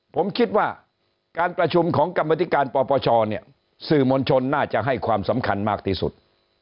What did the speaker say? ผมคิดว่าการประชุมของกรรมธิการปปชเนี่ยสื่อมวลชนน่าจะให้ความสำคัญมากที่สุด